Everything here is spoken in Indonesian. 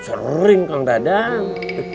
sering kang dadang